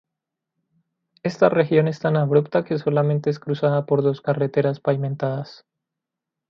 Esta región es tan abrupta que solamente es cruzada por dos carreteras pavimentadas.